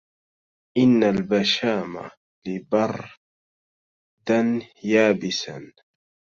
إن بالشام لبردا يابسا